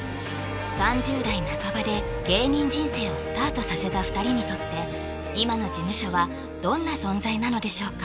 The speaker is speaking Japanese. ３０代半ばで芸人人生をスタートさせた２人にとって今の事務所はどんな存在なのでしょうか？